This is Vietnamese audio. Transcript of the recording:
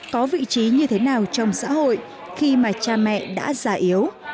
có vị trí như thế nào trong xã hội khi mà cha mẹ đã già yếu